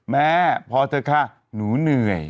แม่พอเถอะค่ะหนูเหนื่อย